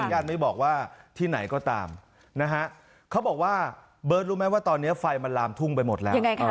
ญาติไม่บอกว่าที่ไหนก็ตามนะฮะเขาบอกว่าเบิร์ตรู้ไหมว่าตอนนี้ไฟมันลามทุ่งไปหมดแล้ว